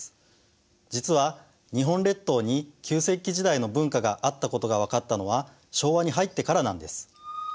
実は日本列島に旧石器時代の文化があったことが分かったのは昭和に入ってからなんです。